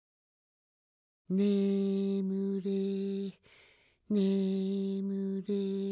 「ねむれねむれ」